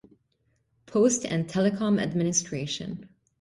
Post and Telecom Administration.